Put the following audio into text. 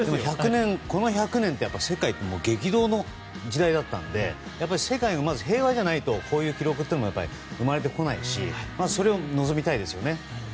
この１００年って世界が激動の時代だったので世界がまず平和じゃないとこういう記録って生まれてこないしそれを望みたいですよね。